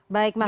baik mas jaya